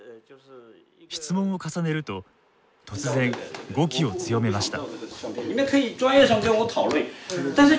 質問を重ねると突然語気を強めました。